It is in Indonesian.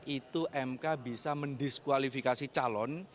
itu mk bisa mendiskualifikasi calon